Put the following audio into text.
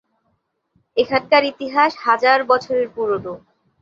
এখানকার ইতিহাস হাজার বছরের পুরনো।